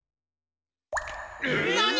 なに！？